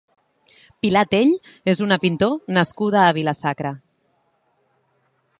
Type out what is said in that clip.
Pilar Tell és una pintor nascuda a Vila-sacra.